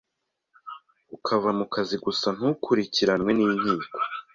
ukava mukazi gusa ntukurikiranwe n’inkiko.